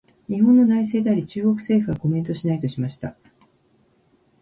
「日本の内政であり、中国政府はコメントしない」としました。